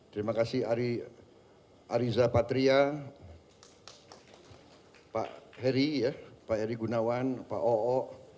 terima kasih ariza patria pak heri gunawan pak oo